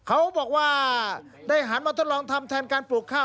เขาบอกว่าได้หันมาทดลองทำแทนการปลูกข้าว